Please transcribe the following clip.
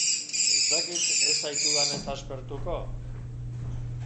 Ez dakit ez zaitudanez aspertuko?